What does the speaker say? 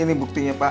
ini buktinya pak